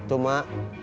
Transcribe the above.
aduh lempar dong